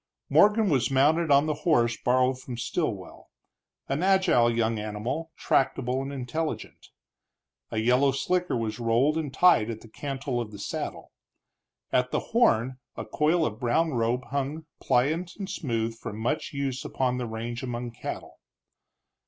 Morgan was mounted on the horse borrowed from Stilwell, an agile young animal, tractable and intelligent. A yellow slicker was rolled and tied at the cantle of the saddle; at the horn a coil of brown rope hung, pliant and smooth from much use upon the range among cattle.